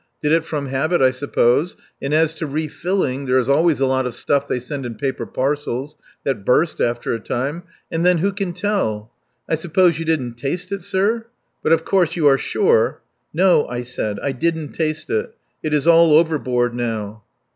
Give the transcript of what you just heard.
Did it from habit, I suppose, and as to refilling, there is always a lot of stuff they send in paper parcels that burst after a time. And then, who can tell? I suppose you didn't taste it, sir? But, of course, you are sure. ..." "No," I said. "I didn't taste it. It is all overboard now."